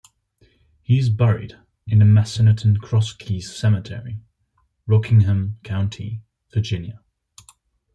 He is buried in the Massanutten-Cross Keys Cemetery, Rockingham County, Virginia.